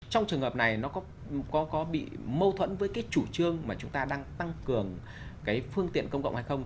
trong trường hợp này nó có bị mâu thuẫn với cái chủ trương mà chúng ta đang tăng cường cái phương tiện công cộng hay không